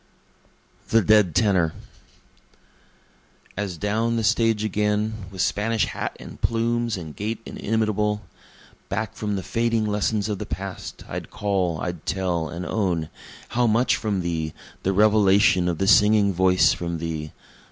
The Dead Tenor As down the stage again, With Spanish hat and plumes, and gait inimitable, Back from the fading lessons of the past, I'd call, I'd tell and own, How much from thee! the revelation of the singing voice from thee!